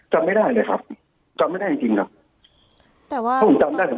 จำไม่ได้เลยครับจำไม่ได้จริงครับ